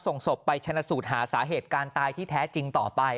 ส่งศพไปชนะสูตรหาสาเหตุการณ์ตายที่แท้จริงต่อไป